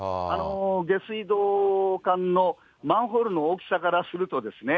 下水道管のマンホールの大きさからするとですね。